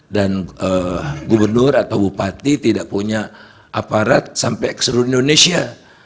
dan gubernur atau bupati tidak punya aparat sampai ke seluruh indonesia